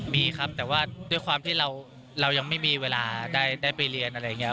มีครับแต่ว่าด้วยความที่เรายังไม่มีเวลาได้ไปเรียนอะไรอย่างนี้